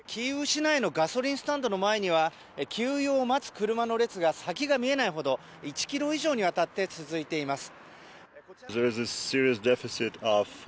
市内のガソリンスタンドの前には給油を待つ車の列が先が見えないほど１ｋｍ以上にわたって続いています。